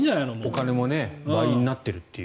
お金も倍になっているっていう。